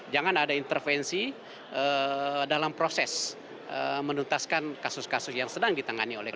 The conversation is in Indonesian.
jangan ada intervensi dalam proses menuntaskan kasus kasus yang sedang ditangani oleh kpk